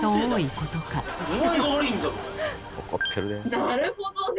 なるほどね！